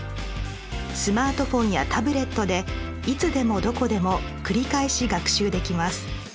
スマートフォンやタブレットでいつでもどこでも繰り返し学習できます。